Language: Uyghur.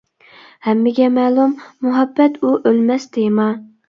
ھەممىگە مەلۇم، مۇھەببەت ئۇ ئۆلمەس تېما.